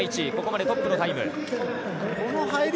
ここまでトップのタイム。